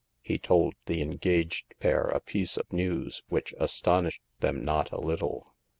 He told the engaged pair a piece of news which astonished them not a little.